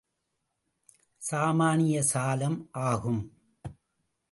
சாமானிய சாலம் ஆகும்.